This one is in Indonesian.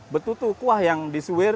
betutu kuah yang disuir